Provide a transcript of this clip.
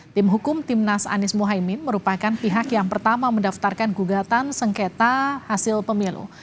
tim hukum timnas anies mohaimin merupakan pihak yang pertama mendaftarkan gugatan sengketa hasil pemilu